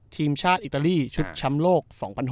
ทีมชาติอิตาลีชุดแชมป์โลก๒๐๑๖